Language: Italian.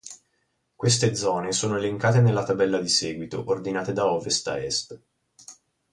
Queste zone sono elencate nella tabella di seguito, ordinate da ovest a est.